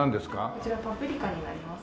こちらパプリカになります。